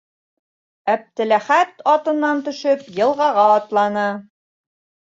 Әптеләхәт, атынан төшөп, йылғаға атланы.